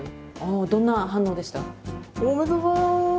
どんな反応でした？